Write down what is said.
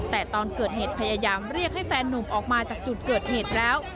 แต่ตอนเกิดเหตุพยายามเรียกให้แฟนนุ่มออกมาจากจุดเกิดเหตุแล้ว